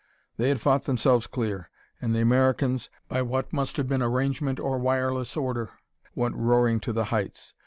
They had fought themselves clear, and the Americans, by what must have been arrangement or wireless order, went roaring to the heights.